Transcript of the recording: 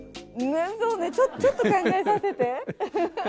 そうねちょっと考えさせて。